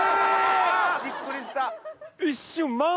びっくりした。